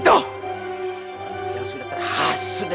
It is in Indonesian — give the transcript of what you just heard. untuk beršeganlah k factormu